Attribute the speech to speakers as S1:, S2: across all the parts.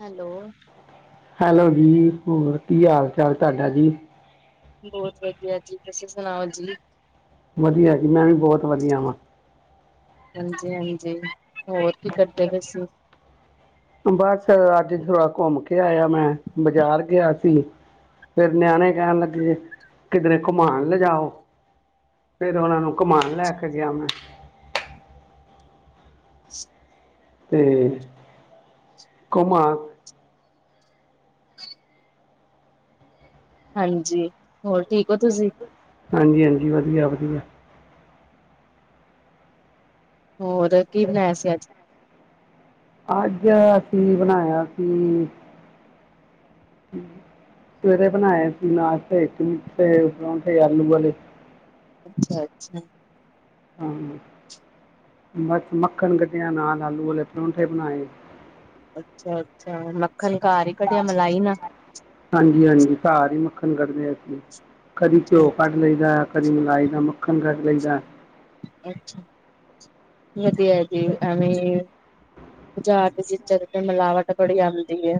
S1: Hello
S2: hello ਜੀ, ਹੋਰ ਕੀ ਹਾਲ ਚਾਲ ਤੁਹਾਡਾ ਜੀ।
S1: ਬਹੁਤ ਵਧੀਆ ਜੀ, ਤੁਸੀਂ ਸੁਣਾਓ ਜੀ,
S2: ਵਧੀਆ ਜੀ ਮੈਂ ਵੀ ਬਹੁਤ ਵਧੀਆ ਵਾਂ।
S1: ਹਾਂਜੀ-ਹਾਂਜੀ ਹੋਰ ਕੀ ਕਰਦੇ ਪਏ ਸੀ।
S2: ਬਸ ਅੱਜ ਥੋੜਾ ਘੁੰਮ ਕੇ ਆਇਆ ਮੈਂ, ਬਾਜ਼ਾਰ ਗਿਆ ਸੀ। ਫਿਰ ਨਿਆਣੇ ਕਹਿਣ ਲੱਗੇ, ਕਿਧਰੇ ਘੁਮਾਣ ਲੈ ਜਾਓ। ਫਿਰ ਉਹਨਾਂ ਨੂੰ ਘਮਾਉਣ ਲੈ ਕੇ ਗਿਆ ਮੈਂ ਤੇ ਘੁਮਾਣ
S1: ਹਾਂਜੀ, ਹੋਰ ਠੀਕ ਹੋ ਤੁਸੀਂ?
S2: ਹਾਂਜੀ- ਹਾਂਜੀ, ਵਧੀਆ -ਵਧੀਆ
S1: ਹੋਰ ਕੀ ਬਣਾਇਆ ਸੀ ਅੱਜ
S2: ਅੱਜ -ਅਸੀਂ ਬਣਾਇਆ ਸੀ ਸਵੇਰੇ ਬਣਾਏ ਸੀ ਠਾਸ਼ਤੇ ਵਿੱਚ ਪਰੌਂਠੇ ਆਲੂ ਵਾਲੇ,
S1: ਅੱਛਾ- ਅੱਛਾ
S2: ਹਾਂ ਬਸ ਮੱਖਣ ਕੱਢਿਆ ਨਾਲ ਆਲੂ ਵਾਲੇ ਪਰੋਂਂਠੇ ਬਣਾਏ।
S1: ਅੱਛਾ- ਅੱਛਾ ਮੱਖਣ ਘਰ ਈ ਕਢੀੱਆ ਮਲਾਈ ਨਾ,
S2: ਹਾਂਜੀ- ਹਾਂਜੀ ਘਾਰ ਈ ਮੱਖਣ ਕੱਢਦੇ ਅਸੀਂ। ਕਦੀ ਘਿਓ ਕੱਢ ਲਈਦਾ, ਕਦੀ ਮਲਾਈ ਦਾ ਮੱਖਣ ਕੱਢ ਲਈਦਾ।
S1: ਅੱਛਾ-ਅੱਛਾ ਵਧੀਆ ਜੀ ਐਵੇ ਬਜਾਰ ਦੀਆ ਚੀਜ਼ਾਂ ਤੇ ਮਿਲਾਵਟ ਬੜੀ ਆਂਦੀ ਏ।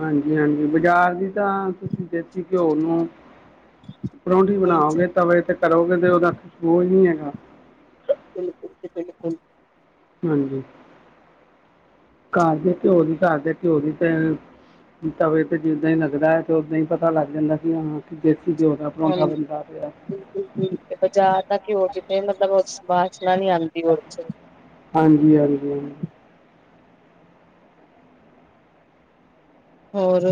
S2: ਹਾਂਜੀ- ਹਾਂਜੀ ਬਾਜ਼ਾਰ ਦੀ ਤਾਂ ਤੁਸੀਂ ਦੇਸੀ ਘਿਓ ਨੂੰ ਪ੍ਰੋਂਠੀ
S1: ਹਾਂਜੀ,
S2: ਬਣਾਓਗੇ ਤਵੇ ਤੇ ਤਲੋਗੇ ਤੇ ਓਹਦਾ ਬੋਝ ਨੀ ਹੈਗਾ,
S1: ਚ [inaudible]
S2: ਹਾਂਜੀ, ਘਰ ਦੇ ਘਿਓ ਦੀ, ਘਰ ਦੇ ਘਿਓ ਦੀ ਤੇ ਤਵੇ ਤੇ ਜਿੱਦਾਂ ਈ ਲੱਗਦਾ ਆ, ਤੇ ਫੇਰ ਓਦਾਂ ਈ ਪਤਾ ਲੱਗ ਜਾਂਦਾ, ਕਿ ਹਾਂ ਕਿ ਦੇਸੀ ਘਿਓ ਦਾ ਪਰੌਂਠਾ
S1: ਹਾਂਜੀ।
S2: ਬਣਦਾ ਪਿਆ
S1: ਬਜ਼ਾਰ ਦਾ ਘਿਓ ਤਾਂ ਕਿ ਹੋਰ ਕਿਥੇ ਮਤਲਬ ਵਾਸ਼ਨਾ ਨੀ ਆਉਂਦੀ ਔ ਚ
S2: ਹਾਂਜੀ-ਹਾਂਜੀ।
S1: ਹੋਰ!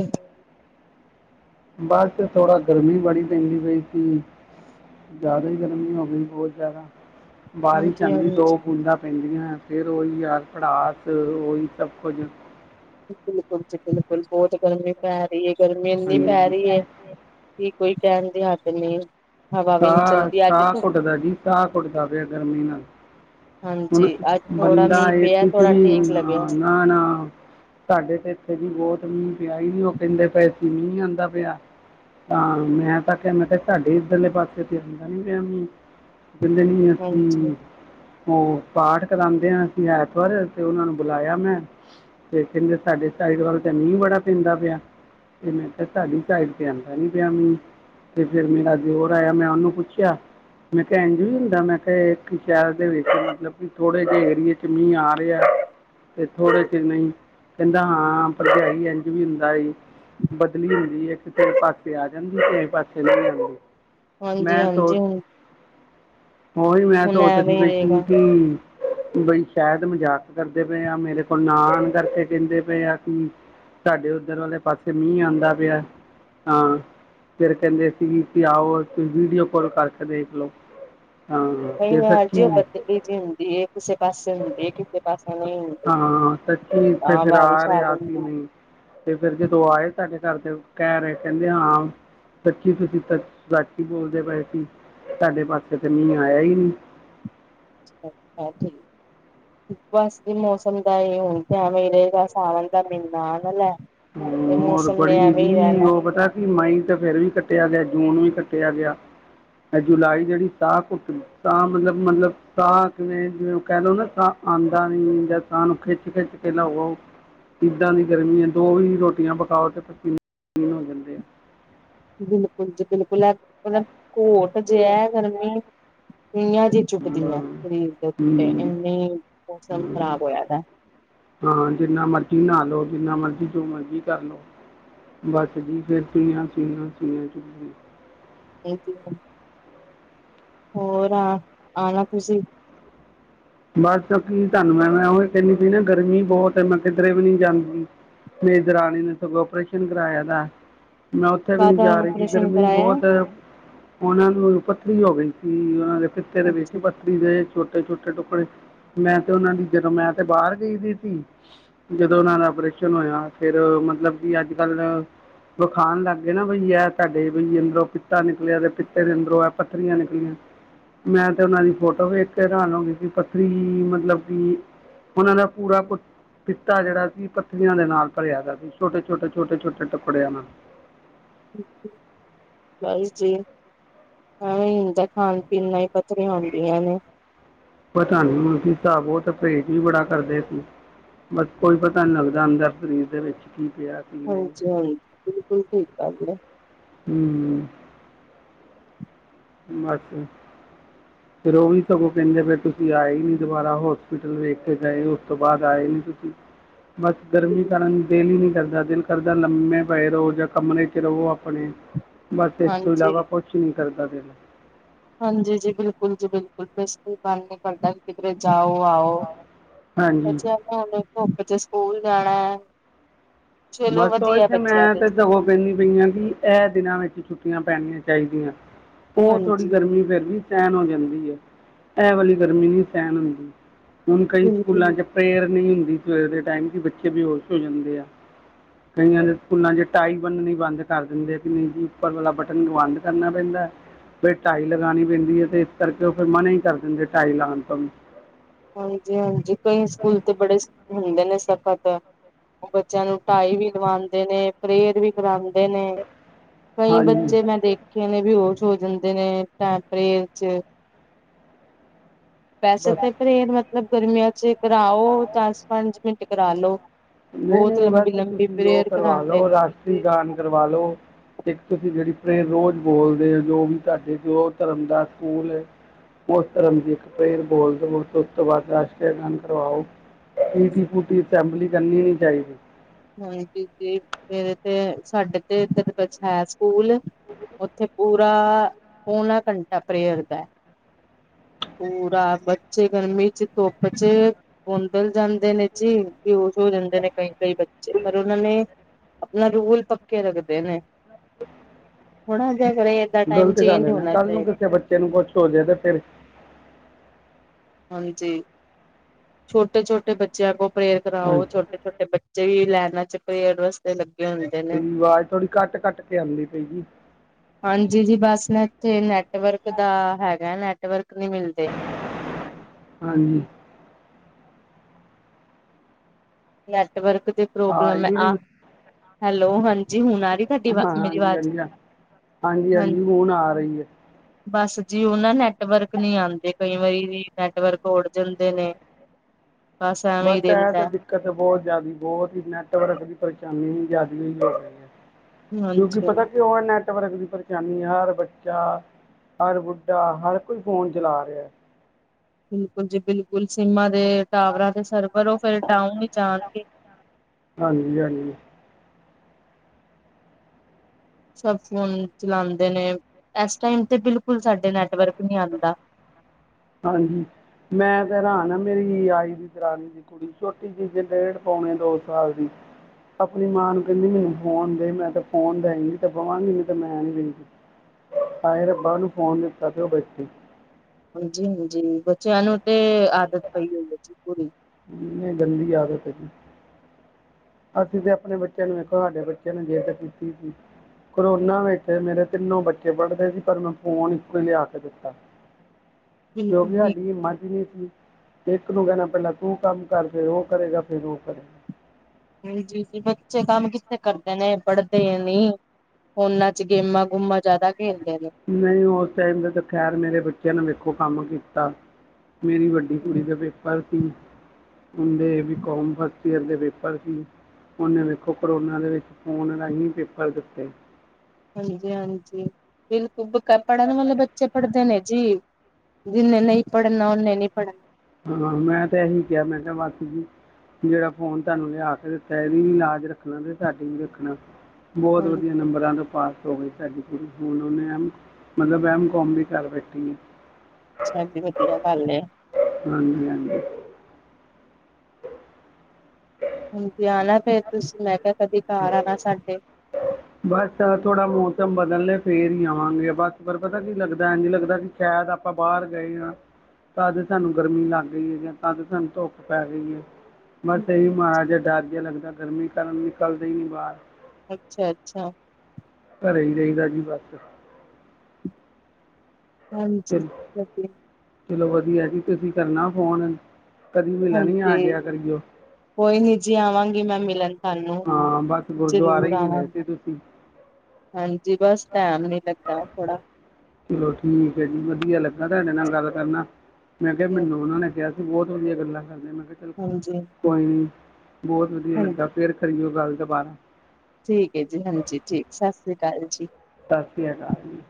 S2: ਬਸ ਥੋੜਾ ਗਰਮੀ ਬੜੀ ਪੈਂਦੀ ਪਈ ਸੀ। ਜ਼ਿਆਦਾ ਈ ਗਰਮੀ ਹੋ ਗਈ, ਬੋਤ ਜ਼ਾਦਾ। ਬਾਰਿਸ਼ ਆਂਦੀ,
S1: ਹਾਂਜੀ-ਹਾਂਜੀ।
S2: ਦੋ ਬੂੰਦਾਂ ਪੈਂਦੀਆਂ, ਫਿਰ ਓਹੀ ਹਾਲ ਪੜਾਸ ਓਹੀ ਸਭ ਕੁਝ।
S1: ਬਿਲਕੁਲ ਜੀ, ਬਿਲਕੁਲ ਬਹੁਤ ਗਰਮੀ ਪੈ ਰਈ ਏ, ਗਰਮੀ ਏਨੀ ਪੈ
S2: ਹਾਂਜੀ
S1: ਰਈ ਏ ਕੀ ਕੋਈ ਕੈਣ ਦੀ ਹੱਦ ਨਈ।
S2: ਸਾਹ -ਸਾਹ ਘੁੱਟਦਾ ਜੀ, ਸਾਹ ਘੁੱਟਦਾ ਪੇਆ ਗਰਮੀ ਨਾਲ। ਹੁਣ
S1: ਹਾਂਜੀ ਅੱਜ ਥੋੜਾ
S2: ਬੰਦਾ
S1: ਮੀਂਹ ਪਿਆ
S2: ਏਸੀ ਚ
S1: ਥੋੜਾ
S2: ਵੀ
S1: ਠੀਕ ਲੱਗਿਆ
S2: ਨਾ -ਨਾ ਸਾਡੇ ਤੇ ਇੱਥੇ ਜੀ ਬੋਤ ਮੀਂਹ ਪਿਆ ਨੀ, ਉਹ ਕੈਹਦੇ ਪਏ ਸੀ ਮੀਂਹ ਆਂਦਾ ਪੇਆ, ਤਾਂ ਮੈਂ ਤਾਂ ਕੇਆ ਮੈਂ ਕੇਆ ਸਾਡੇ ਏਧਰਲੇ ਪਾਸੇ ਤੇ ਆਂਦਾ ਨੀ ਪਤਾ ਮੀਹ। ਕੈਂਦੇ ਨੀ
S1: ਹਾਂਜੀ
S2: ਅਸੀਂ, ਓਹ ਪਾਠ ਕਰਾਂਦੇ ਆ ਅਸੀਂ ਐਤਵਾਰ, ਤੇ ਓਹਨਾਂ ਨੂੰ ਬੁਲਾਇਆ ਮੈਂ! ਤੇ ਕੈਂਦੇ ਸਾਡੇ ਸਾਈਡ ਵੱਲ ਤਾਂ ਮੀਂਹ ਬੜਾ ਪੈਂਂਦਾ ਪੇਆ। ਤੇ ਮੈਂ ਕੇਆ ਸਾਡੀ ਸਾਈਡ ਤੇ ਆਂਦਾ ਨੀ ਪਿਆ ਮੀਂਹ। ਤੇ ਫਿਰ ਮੇਰਾ ਦਿਓਰ ਆਇਆ, ਮੈਂ ਓਹਨੂੰ ਪੁੱਛਿਆ? ਮੈਂ ਕਿਹਾ ਐਂਝ ਵੀ ਹੁੰਦਾ ਮੈਂ ਕਿਹਾ ਇੱਕ ਸ਼ਹਿਰ ਦੇ ਵਿੱਚ ਮਤਲਬ ਕਿ ਥੋੜੇ ਜਿਹੇ ਏਰੀਏ 'ਚ ਮੀਂਹ ਆ ਰਿਹਾ ਤੇ ਥੋੜੇ ਚਿਰ ਨਹੀਂ ਕਹਿੰਦਾ ਹਾਂ ਭਰਜਾਈ ਇੰਝ ਵੀ ਹੁੰਦਾ ਏ ਬਦਲੀ ਹੁੰਦੀ ਐ, ਕਿਸੇ ਪਾਸੇ ਆ ਜਾਂਦੀ ਐ, ਕਿਸੇ ਪਾਸੇ ਨਈਂ ਆਂਦੀ।
S1: ਹਾਂਜੀ ਹਾਂਜੀ, ਹੁਨ
S2: ਓਹੀ ਮੈਂ ਸੋਚਦੀ
S1: ਐਵੇਂ ਹੀ
S2: ਪਈ ਸੀ
S1: ਰਹੇਗਾ
S2: ਕਿ ਬਈ, ਸ਼ਾਇਦ ਮਜ਼ਾਕ ਕਰਦੇ ਪਏ ਆ, ਮੇਰੇ ਕੋਲ ਨਾ ਆਨ ਕਰਕੇ ਕਹਿੰਦੇ ਪਏ ਆ ਕਿ ਸਾਡੇ ਉੱਧਰ ਵਾਲੇ ਪਾਸੇ ਮੀਂਹ ਆਂਦਾ ਪਿਆ। ਹਾਂ, ਫਿਰ ਕਹਿੰਦੇ ਸੀ ਤੁਸੀਂ ਆਉ, ਤੁਸੀ ਵੀਡੀਓ ਕੋਲ ਕਰਕੇ ਦੇਖ ਲਉ।
S1: ਕਈ ਵਾਰ ਜੀ ਓ ਬਦਲੀ ਜਿਹੀ ਹੁੰਦੀ ਏ, ਕਿਸੇ ਪਾਸੇ ਹੁੰਦੀ ਏ, ਕਿਸੇ ਪਾਸੇ ਨਈ ਹੁੰਦੀ।
S2: ਹਾਂ, ਸੱਚੀ ਇੱਥੇ
S1: ਤਾਂ
S2: ਫਿਰ
S1: ਬਾਰਿਸ਼
S2: ਆ ਰਹੇ ਆ ਅਸੀਂ
S1: ਜਾਂਦੀ ਹੈ।
S2: ਵੀ। ਤੇ ਫੇਰ ਜਦੋਂ ਆਏ ਓ ਸਾਡੇ ਘਰ ਦੇ ਕਹਿ ਰਹੇ ਕਹਿੰਦੇ ਹਾਂ। ਸੱਚੀ ਤੁਸੀਂ ਤਾਂ ਸੱਚ ਈ ਬੋਲਦੇ ਪਏ ਸੀ, ਸਾਡੇ ਪਾਸੇ ਤੇ ਮੀਂਹ ਆਇਆ ਈ ਨੀ।
S1: ਹੈ ਹੈ ਤੇ। ਬਸ ਜੀ ਮੌਸਮ ਦਾ ਇਹ ਹੁਨ ਤੇ ਐਵੇਂ ਹੀ ਰਹੇਗਾ, ਸਾਵਣ ਦਾ ਮਹੀਨਾ ਨਾਂ ਨਾ ਲੈ।
S2: ਹੂੰ, ਔਰ ਬੜੀ ਹੀ ਓ ਪਤਾ ਮਈ ਤੇ ਫੇਰ ਵੀ ਕੱਟਿਆ ਗਿਆ, ਜੂਨ ਵੀ ਕੱਟਿਆ ਗਿਆ। ਐ ਜੁਲਾਈ ਜਿਹੜੀ ਸਾਹ ਘੁੱਟਣ ਸਾਹ ਮਤਲਬ ਮਤਲਬ ਸਾਹ ਕਿਵੇਂ ਜਿਵੇਂ ਕਹਿ ਲੋ ਨਾ ਸਾਹ ਆਂਦਾ ਨੀ ਜਾਂ ਸਾਹ ਨੂੰ ਖਿੱਚ-ਖਿੱਚ ਕੇ ਲਵੋ, ਇੱਦਾਂ ਦੀ ਗਰਮੀ ਐ। ਦੋ ਈ ਰੋਟੀਆਂ ਪਕਾਓ ਤੇ ਪਸੀਨੋ ਪਸੀਨ ਹੋ ਜਾਂਦੇ ਆ।
S1: ਬਿਲਕੁਲ ਜੀ ਬਿਲਕੁਲ, ਐ ਮਤਲਬ ਘੋਟ ਜੇਆ ਐ ਗਰਮੀ। ਸੂਈਆਂ ਜੀ ਚੁੱਭ
S2: ਹਮ,
S1: ਦੀਆ ਸਰੀਰ ਦੇ ਉੱਤੇ,
S2: ਹਮ,
S1: ਏਨੀ ਮੌਸਮ
S2: ਹਮ,
S1: ਖ਼ਰਾਬ ਹੋਇਆ ਦਾ।
S2: ਹਾਂ, ਜਿੰਨਾ ਮਰਜ਼ੀ ਨਹਾ ਲਓ, ਜਿੰਨਾ ਮਰਜ਼ੀ ਜੋ ਮਰਜ਼ੀ ਕਰ ਲੋ। ਬਸ ਜੀ, ਫਿਰ ਸੂਈਆ, ਸੂਈਆਂ, ਸੂਈਆਂ ਚੁਭਦੀਆਂ।
S1: ਗਏ ਸੀ ਹੁਣ, ਹੋਰ ਆਣਾ ਤੁਸੀਂ।
S2: ਬਸ ਕੀ, ਤੁਹਨੂੰ ਮੈ-ਮੈਂ ਉਹੀ ਕਹਿੰਦੀ ਪਈ ਨਾ ਗਰਮੀ ਬਹੁਤ ਏ, ਮੈਂ ਕਿਧਰੇ ਵੀ ਨੀ ਜਾਂਦੀ। ਮੇਰੀ ਦਰਾਣੀ ਨੇ ਸਗੋਂ ਓਪਰੇਸ਼ਨ ਕਰਾਇਆ ਦਾ। ਮੈਂ ਉੱਥੇ ਵੀ ਨੀ
S1: ਕਾਹਦਾ
S2: ਜਾ ਰਹੀ ਸੀ,
S1: ਆਪਓਰੇਸ਼ਨ
S2: ਗਰਮੀ
S1: ਕਰਾਇਆ
S2: ਬਹੁਤ ਐ। ਉਹਨਾਂ ਨੂੰ ਹੁਣ ਪੱਥਰੀ ਹੋ ਗਈ ਸੀ, ਉਹਨਾਂ ਦੇ ਪਿੱਤੇ ਦੇ ਵਿੱਚ
S1: ਅੱਛਾ
S2: ਪੱਥਰੀ ਦੇ ਛੋਟੇ-ਛੋਟੇ ਤੇ ਟੁਕੜੇ, ਮੈਂ ਤੇ ਉਹਨਾਂ ਦੀ ਜਦੋਂ ਮੈਂ ਤੇ ਬਾਹਰ ਗਈ ਦੀ ਸੀ। ਜਦੋਂ ਉਹਨਾਂ ਦਾ ਆਪਰੇਸ਼ਨ ਹੋਇਆ, ਫਿਰ ਮਤਲਬ ਕਿ ਅੱਜ-ਕੱਲ ਵਖਾਣ ਲੱਗ ਗਏ ਨਾ ਬਈ ਐਹ ਤੁਹਾਡੇ ਬਈ ਅੰਦਰੋਂ ਪਿੱਤਾ ਨਿਕਲਿਆ ਤੇ ਪਿੱਤੇ ਦੇ ਅੰਦਰੋਂ ਐਹ ਪੱਥਰੀਆਂ ਨਿਕਲੀਆਂ। ਮੈਂ ਤੇ ਓਹਨਾਂ ਦੀ ਫੋਟੋ ਵੇਖ ਕੇ ਹੈਰਾਨ ਹੋ ਗਈ ਸੀ। ਪੱਥਰੀ, ਮਤਲਬ ਕਿ ਉਹਨਾਂ ਦਾ ਪੂਰਾ ਪਿੱਤਾ ਜਿਹੜਾ ਸੀ ਪੱਥਰੀਆਂ ਦੇ ਨਾਲ ਭਰਿਆ ਦਾ ਸੀ, ਛੋਟੇ-ਛੋਟੇ, ਛੋਟੇ-ਛੋਟੇ ਟੁਕੜਿਆਂ ਨਾਲ।
S1: ਬਸ ਜੀ, ਐਵੇ ਈ ਹੁੰਦਾ ਖਾਣ-ਪੀਣ ਨਈ ਪਤ ਪੱਥਰੀਆਂ ਹੁੰਦੀਆਂ ਨੇ।
S2: ਪਤਾ ਨੀ ਮਤੰਰੀ ਸਾਹਿਬ, ਓਹ 'ਤੇ ਪਰਹੇਜ਼ ਈ ਬੜਾ ਕਰਦੇ ਸੀ। ਬਸ, ਕੋਈ ਪਤਾ ਨੀ ਲੱਗਦਾ ਅੰਦਰ ਸਰੀਰ ਦੇ ਵਿੱਚ ਕੀ ਪਿਆ। ਕੀ ਨਹੀਂ
S1: ਹਾਂਜੀ
S2: ਪਿਆ
S1: ਹਾਂਜੀ, ਬਿਲਕੁਲ ਸਹੀ ਗੱਲ ਐ।
S2: ਹੂੰ। ਬਾਕੀ ਫਿਰ ਉਹ ਵੀ ਸਗੋਂ ਕਹਿੰਦੇ, ਫਿਰ ਤੁਸੀਂ ਆਏ ਨੀ ਦੁਬਾਰਾ, ਹੋਸਪਿਟਲ ਵੇਖ ਕੇ ਗਏ, ਉਸ ਤੋਂ ਬਾਅਦ ਆਏ ਨੀ ਤੁਸੀਂ? ਬਸ ਗਰਮੀ ਕਾਰਨ ਦਿਲ ਈ ਨੀ ਕਰਦਾ, ਦਿਲ ਸਾਰਾ ਦਿਨ ਲੰਮੇ ਪਏ ਰਵੋ ਜਾਂ ਕਮਰੇ ਚ ਰਵੋ ਆਪਣੇ, ਬਸ ਇਸ ਤੋਂ
S1: ਹਾਂਜੀ
S2: ਇਲਾਵਾ ਕੁਛ ਕੁਛ ਵੀ ਨੀ ਕਰਦਾ ਪਿਆ ਹੈਗਾ।
S1: ਹਾਂਜੀ ਜੀ ਬਿਲਕੁੱਲ ਜੀ ਬਿਲਕੁੱਲ ਬਸ ਕੋਈ ਗੱਲ ਨੀ ਕਰਦਾ। ਇਕ ਵਿੱਚ ਆਓ -ਆਓ
S2: ਹਾਂਜੀ
S1: ਬੱਚਿਆ ਨੇ ਹੁਣ ਧੁੱਪ ਚ੍ ਸਕੂਲ ਜਾਣਾ ਚਲੋ
S2: ਬਸ ਉਹੀ
S1: ਵਧੀਆ
S2: ਤੇ
S1: ਬੱਚਿਆਂ
S2: ਮੈਂ
S1: ਦਾ
S2: ਤੇ ਫਿਰ ਸਗੋਂ ਕਹਿੰਦੀ ਪਈ ਆ ਕਿ ਇਹ ਦਿਨਾਂ ਵਿੱਚ ਛੁੱਟੀਆਂ ਪੈਣੀਆਂ ਚਾਹੀਦੀਆਂ। ਓਹ ਥੋੜ੍ਹੀ
S1: ਹਾਂਜੀ
S2: ਗਰਮੀ ਪੈਂਦੀ ਸਹਿਣ ਹੋ ਜਾਂਦੀ ਏ, ਐ ਵਾਲੀ ਗਰਮੀ ਨਹੀ ਸਹਿਣ ਹੁੰਦੀ। ਹੁਣ ਕਈ
S1: ਬਿਲਕੁਲ
S2: ਸਕੂਲਾਂ ਚ ਪ੍ਰੇਅਰ ਨਈ ਹੁੰਦੀ ਸਵੇਰ ਦੇ ਟਾਈਮ ਕਿ ਬੱਚੇ ਬੇਹੋਸ਼ ਹੋ ਜਾਂਦੇ ਆ। ਕਈਆਂ ਦੇ ਸਕੂਲ ਚ ਟਾਈ ਬਨਣੀ ਬੰਦ ਕਰ ਦਿੰਦੇ ਅ, ਕਿ ਨਈ ਜੀ, ਉੱਪਰ ਵਾਲਾ ਬਟਨ ਬੰਦ ਕਰਨਾ ਪੈਂਦਾ। ਫੇਰ ਟਾਈ ਲਗਾਣੀ ਪੈਂਦੀ ਏ, ਤੇ ਇਸ ਕਰਕੇ ਉਹ ਫੇਰ ਮਨਾ ਈ ਕਰ ਦਿੰਦੇ ਟਾਈ ਲਾਣ ਤੋਂ।
S1: ਹਾਂਜੀ- ਹਾਂਜੀ ਕਈ ਸਕੂਲ ਤੇ ਬੜੇ ਹੁੰਦੇ ਨੇ ਸਖਤ ਓਹ ਬੱਚਿਆਂ ਨੂੰ ਟਾਈ ਵੀ ਲਵਾਂਦੇ ਨੇ। ਪ੍ਰੇਅਰ ਵੀ ਕਰਾਂਦੇ ਨੇ ਕਈ
S2: ਹਾਂਜੀ
S1: ਬੱਚੇ ਮੈਂ ਦੇਖੇ ਕਿਵੇਂ ਬਹੋਸ਼ ਹੋ ਜਾਂਦੇ ਨੇ ਤਾਂ ਪਰੇਰ ਚ। ਵੈਸੇ
S2: ਬਸ
S1: ਤਾਂ ਪਰੇਰ ਮਤਲਬ ਗਰਮੀਆਂ ਚ ਕਰਾਓ ਦਸ -ਪੰਜ -ਮਿੰਟ ਕਰਾ ਲੋ।
S2: ਨਈ,
S1: ਬਹੁਤ
S2: ਨਈ ਬਸ
S1: ਲੰਬੀ ਲੰਬੀ
S2: ਤੁਸੀਂ ਉਹ
S1: ਪ੍ਰੇਅਰ
S2: ਕਰਵਾ
S1: ਕਰਾਉਂਦੇ
S2: ਲੋ, ਰਾਸ਼ਟਰੀ ਗਾਨ ਕਰਵਾ ਲੋ। ਇੱਕ ਤੁਸੀਂ ਜੇਹੜੀ ਪ੍ਰੇਰ ਰੋਜ਼ ਬੋਲਦੇ ਹੋ, ਜੋ ਵੀ ਤੁਹਾਡੇ ਜੋ ਧਰਮ ਦਾ ਸਕੂਲ ਏ। ਓਸ ਧਰਮ ਦੀ
S1: ਨੇ
S2: ਇੱਕ ਪਰੇਰ ਬੋਲ ਦੋ ਉਸ ਤੋਂ ਬਾਅਦ ਰਾਸ਼ਟਰੀ ਗਾਨ ਕਰਵਾਓ। ਏ ਟੂਟੀ -ਫੂਟੀ ਅਸੈਂਬਲੀ ਕਰਨੀ ਨੀ ਚਾਈਦੀ।
S1: ਹਾਂਜੀ ਜੀ, ਮੇਰੇ ਤੇ ਸਾਡੇ ਤੇ ਹੈ ਸਕੂਲ ਉੱਥੇ। ਪੂਰਾ ਪੋਨਾ ਘੰਟਾ ਪ੍ਰੇਅਰ ਦਾ। ਪੂਰਾ ਬੱਚੇ ਗਰਮੀ ਚ ਧੋਪ ਚੇ ਬੋਂਦਲ ਜਾਂਦੇ ਨੇ ਜੀ ਬਿਹੋਸ਼ ਹੋ ਜਾਂਦੇ ਨੇ ਕਈ ਕਈ ਬੱਚੇ ਪਰ ਉਹਨਾਂ ਨੇ ਆਪਣਾ ਰੂਲ ਪੱਕੇ ਰੱਖਦੇ ਨੇ ਥੋੜਾ ਜਾ ਅਗਰ ਏ
S2: ਗ਼ਲਤ ਗੱਲ ਹੈ ਨਾ ਕੱਲ ਨੂੰ ਕਿਸੇ ਬੱਚੇ ਨੂੰ ਕੁੱਛ ਹੋ ਜਾਵੇ ਤੇ ਫਿਰ
S1: ਹਾਂਜੀ, ਛੋਟੇ ਛੋਟੇ ਬੱਚਿਆਂ ਕੋਲ ਪ੍ਰੇਅਰ ਕਰਾਓ
S2: ਹਾਂਜੀ
S1: ਛੋਟੇ ਛੋਟੇ। ਤੇ ਬੱਚੇ ਵੀ ਲੈਨਾਂ ਚੱ ਪਰੇਅਰ ਵਸਤੇ ਲੱਗੇ ਹੁੰਦੇ ਨੇ।
S2: ਮੇਰੀ ਆਵਾਜ਼ ਥੋੜੀ ਕੱਟ ਕੱਟ ਕੇ ਆਉਂਦੀ ਪਈ ਏ।
S1: ਹਾਂਜੀ ਜੀ ਬਸ ਨਾ ਇੱਥੇ ਨੈਟਵਰਕ ਦਾ ਹੈਗਾ ਨੈਟਵਰਕ ਨਹੀਂ ਮਿਲਦੇ।
S2: ਹਾਂਜੀ।
S1: ਨੈਟਵਰਕ ਦੇ
S2: ਹੀ
S1: ਪ੍ਰੋਬਲਮ ਹੈ
S2: ਨਹੀਂ
S1: ਆ
S2: ਰਹੀ
S1: ਹੈਲੋ, ਹਾਂਜੀ। ਜੀ ਹੁਣ ਆ ਰਹੀ ਤੁਹਾਡੀ
S2: ਹਾਂ
S1: ਮੇਰੀ
S2: ਹਾਂਜੀ
S1: ਵਾਜ
S2: ਹਾਂਜੀ ਹਾਂ।
S1: ਹਾਂਜੀ।
S2: ਹੁਣ ਆ ਰਹੀ ਹੈ
S1: ਬਸ ਜੀ ਉਹ ਨਾ ਨੈਟਵਰਕ ਨਹੀਂ ਆਉਂਦੇ ਕਈ ਵਾਰੀ। ਨੈਟਵਰਕ ਊਡ ਜਾਂਦੇ ਨੇ। ਐਵੇਂ ਹੀ
S2: ਬਸ ਇਹ
S1: ਰਹਿੰਦਾ
S2: ਤਾਂ ਦਿੱਕਤ ਬਹੁਤ ਜ਼ਿਆਦਾ ਬਹੁਤ ਹੀ ਨੈਟਵਰਕ ਦੀ ਪਰੇਸ਼ਾਨੀ ਨਈ ਜਾਂਦੀ ਹੋ। ਕਿਉਂਕਿ
S1: ਹਾਂਜੀ ਹਾਂਜੀ
S2: ਪਤਾ ਕਿਉ ਹੈ ਨੈਟਵਰਕ ਦੀ ਪਰੇਸ਼ਾਨੀ ਹਰ ਬੱਚਾ। ਹਰ ਬੁੱਢਾ ਹਰ ਕੋਈ ਫੋਨ ਚਲਾ ਰਿਹਾ।
S1: ਬਿਲਕੁਲ ਜੀ ਬਿਲਕੁਲ ਸਿੰਮਾਂ ਦੇ ਟਾਵਰਾਂ ਤੇ ਸਰਵਰ ਉਹ ਫੇਰ ਢਾਊਨ ਹੀ ਜਾਣਗੇ।
S2: ਹਾਂਜੀ, ਹਾਂਜੀ।
S1: ਸਬ ਫੋਨ ਚਲਾਉਦੇ ਨੇ ਇਸ ਟਾਈਮ ਤੇ ਬਿਲਕੁਲ ਸਾਡੇ ਨੈਟਵਰਕ ਨਹੀਂ ਆਉਂਦਾ।
S2: ਹਾਂਜੀ ਮੈਂ ਤੇ ਹੋਰਾਨ ਮੇਰੀ [unintelligible] ਛੋਟੀ ਜਿਹੀ ਜੇ ਲੇਟ ਪਾਉਣੇ ਦੋ ਸਾਲ ਦੀ। ਆਪਣੀ ਮਾਂ ਨੂੰ ਕਹਿੰਦੀ ਮੈਨੂੰ ਫੋਨ ਦੇ ਮੈਂ ਤੇ ਫੋਨ ਦੇਗੀ ਤੇ ਬਵਾਂਗੀ ਨਹੀਂ ਤੇ ਮੈਂ ਨੀ ਬਵਾਂਗੀ। ਹਾਏ ਰੱਬਾ ਉਨੂੰ ਫ਼ੋਨ ਦਿੱਤਾ ਤੇ ਉਹ ਬੈਠੀ।
S1: ਹਾਂਜੀ, ਹਾਂਜੀ, ਬੱਚਿਆਂ ਨੂੰ ਤੇ ਆਦਤ ਪਈ ਹੋਈ ਹੇ ਪੂਰੀ।
S2: ਇਤਨੀ ਗਂਦੀ ਆਦਤ ਏ। ਅਸੀਂ ਤੇ ਆਪਣੇ ਬੱਚਿਆਂ ਨੂੰ [unintelligible] ਜੇਦ ਕੀਤੀ ਸੀ ਕਰੋਨਾ ਵਿੱਚ ਮੇਰੇ ਤਿੰਨੋ ਬੱਚੇ ਪੜ੍ਹਦੇ ਸੀ ਪਰ ਮੈਂ ਫੋਨ ਇੱਕੋ ਹੀ ਲਿਆ ਕੇ ਦਿੱਤਾ ਸੀ। [unintelligible]
S1: ਬਿਲਕੁਲ ਠੀਕ
S2: ਇੱਕ ਨੂੰ ਕਹਿਣਾ ਪਹਿਲਾਂ ਤੂੰ ਕੰਮ ਕਰ ਫੇਕ ਉਹ ਕਰੇਗਾ ਫੇਰ ਉਹ ਕਰੇਗਾ।
S1: ਹਾਂਜੀ, ਜੀ ਬੱਚੇ ਕੰਮ ਕਿੱਥੇ ਕਰਦੇ ਨੇ ਪੜ੍ਹਦੇ ਨਹੀਂ। ਫੌਨਾ ਚ ਗੇਮਾਂ ਗੂਮਾਂ ਜ਼ਿਆਦਾ ਖੇਲਦੇ ਨੇ।
S2: ਨਹੀਂ ਉਹ ਟਾਈਮ ਤੇ ਤਾਂ ਖ਼ੈਰ ਮੇਰੇ ਬੱਚਿਆਂ ਨੇ ਵੇਖੋ ਕੰਮ ਕੀਤਾ। ਮੇਰੀ ਵੱਡੀ ਕੁੜੀ
S1: ਨੇ
S2: ਦਾ ਪੇਪਰ ਸੀ। [unintelligible] ਦੇ ਬੀਕੋਮ ਫਸਟ ਈਅਰ ਦੇ ਪੇਪਰ ਸੀ। ਉਹਨੇ ਵੇਖੋ ਕਰੋਨਾ ਦੇ ਵਿੱਚ ਫੋਨ ਰਾਹੀਂ ਪੇਪਰ ਦਿੱਤੇ।
S1: ਹਾਂਜੀ ਹਾਂਜੀ ਬਿਲਕੁਲ ਪੜ੍ਹਨ ਵਾਲੇ ਬੱਚੇ ਪੜ੍ਹਦੇ ਨੇ ਜੀ ਜਿੰਨੇ ਨਹੀਂ ਪੜ੍ਹਨਾ ਉਹਨੇ ਨਹੀਂ ਪੜ੍ਹਨਾ
S2: ਹਾਂ ਮੈਂ ਤੇ ਇਹੀ ਕਿਹਾ ਮੈਂ [unintelligible] ਜਿਹੜਾ ਫੋਨ ਤੁਹਾਨੂੰ ਲਿਆ ਕੇ ਦਿੱਤਾ ਇਹਦੀ ਵੀ ਲਾਜ ਰੱਖਣਾ ਤੇ ਸਾਡੀ ਵੀ ਰੱਖਣਾ ਬਹੁਤ ਵਧੀਆ
S1: ਹਾਂਜੀ
S2: ਨੰਬਰਾਂ ਤੋਂ ਪਾਸ ਹੋ ਗਈ ਸਾਡੀ ਹੁਣ ਉਹਨੇ ਐਮ ਮਤਲਬ ਐਮ ਕੌਮ ਵੀ ਕਰ ਬੈਠੀ ਹੈ
S1: ਹਾਂਜੀ ਵਧੀਆ ਗੱਲ ਏ
S2: ਹੈ ਹਾਂਜੀ ਹਾਂਜੀ ਤੇ
S1: ਹਾਂਜੀ ਆਣਾ ਫਿਰ ਤੁਸੀ, ਮੈਂ ਕਿਹਾ ਕਦੇ ਘਰ ਆਣਾ ਸਾਡੇ।
S2: ਬਸ ਥੋੜਾ ਮੌਸਮ ਬਦਲਲੇ ਫੇਰ ਹੀ ਆਵਾਂਗੇ, ਬਸ ਪਰ ਪਤਾ ਕੀ ਲੱਗਦਾ ਐਂਜ ਲੱਗਦਾ ਕਿ ਸ਼ਾਇਦ ਆਪਾਂ ਬਾਹਰ ਗਏ ਆਂ। ਕਦ ਤੁਹਾਨੂੰ ਗਰਮੀ ਲੱਗ ਗਈ, ਹੈ ਜਾਂ ਕਦ ਤੁਹਾਨੂੰ ਧੁੱਪ ਪੈ ਗਈ ਏ। ਬਸ ਇਹੀ ਮਾੜਾ ਜਿਆ ਡਰ ਜਿਹਾ ਲੱਗਦਾ, ਗਰਮੀ ਕਾਰਨ ਨਿਕਲਦੇ ਹੀ ਨੀ ਬਾਹਰ।
S1: ਅੱਛਾ-ਅੱਛਾ।
S2: ਘਰੇ ਹੀ ਰਹੀਦਾ ਜੀ, ਬਸ।
S1: ਹਾਂਜੀ
S2: ਚਲ ਚਲੋ ਵਧੀਆ ਜੀ, ਤੁਸੀ ਕਰਨਾ ਫੋਨ ਕਦੀ ਮਿਲਣ ਈ
S1: ਹਾਂਜੀ
S2: ਆਜਾ ਕਰੀਓ।
S1: ਕੋਈ ਨੀ ਜੀ, ਮੈਂ ਆਵਾਂਗੀ ਮੈਂ ਮਿਲਣ ਤੁਹਾਨੂੰ,
S2: ਹਾਂ ਬਸ ਗੁਰਦੁਆਰੇ
S1: ਜ਼ਰੂਰ
S2: ਹੀ
S1: ਆਵਾਂ
S2: ਮਿਲੇ ਸੀ ਤੁਸੀਂ
S1: ਹਾਂਜੀ, ਬਸ ਟੈਮ ਨੀ ਲੱਗਾ ਥੋੜਾ।
S2: ਚਲੋ ਠੀਕ ਏ ਜੀ, ਵਧੀਆ ਲੱਗਾ ਤੁਹਾਡੇ ਨਾਲ ਗੱਲ ਕਰਨਾ, ਮੈਂ ਕਿਹਾ ਮੈਨੂੰ ਉਹਨਾਂ ਨੇ ਕਿਹਾ ਬਹੁਤ ਵਧੀਆ ਗੱਲਾਂ ਕਰਦੇ ''ਮੈਂ ਕਿਹਾ। ਚਲ
S1: ਹਾਂਜੀ।
S2: ਕੋਈ ਨੀ, ਬਹੁਤ ਵਧੀਆ ਲੱਗਾ ਫੇਰ ਕਰੀਓ ਗੱਲ ਦੁਬਾਰਾ।
S1: ਠੀਕ ਏ ਜੀ, ਹਾਂਜੀ, ਠੀਕ, ਸਤਿ ਸ੍ਰੀ ਅਕਾਲ ਜੀ।
S2: ਸਤਿ ਸ੍ਰੀ ਅਕਾਲ ਜੀ।